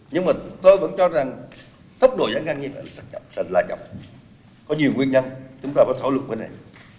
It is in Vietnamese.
nhưng mà tôi vẫn cho rằng tốc độ giải ngân như vậy là chậm có nhiều nguyên nhân chúng ta phải thỏa lực với này